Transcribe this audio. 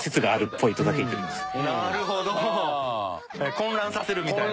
混乱させるみたいなね。